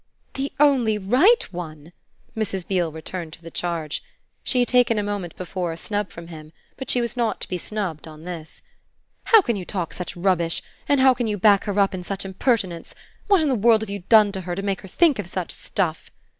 "The only right one?" Mrs. Beale returned to the charge. She had taken a moment before a snub from him, but she was not to be snubbed on this. "How can you talk such rubbish and how can you back her up in such impertinence? What in the world have you done to her to make her think of such stuff?"